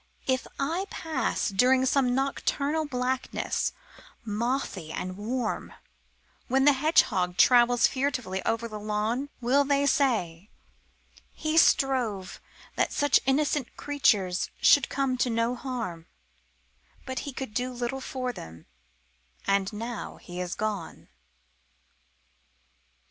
If I pass during some nocturnal blackness, mothy and warm, When the hedgehog travels furtively over the lawn, Will they say: "He strove that such innocent creatures should come to no harm, But he could do little for them; and now he is gone"?